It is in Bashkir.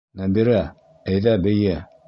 Нәбирә, әйҙә бейе!